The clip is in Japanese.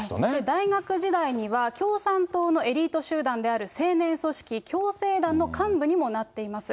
大学時代には、共産党のエリート集団である青年組織、共青団の幹部にもなっています。